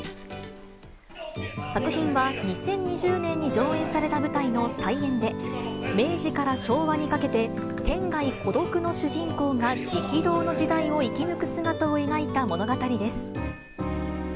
作品は２０２０年に上演された舞台の再演で、明治から昭和にかけて、天涯孤独の主人公が激動の時代を生き抜く姿を描いた物語です。